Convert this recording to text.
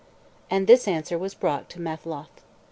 And this answer was brought to Matholch.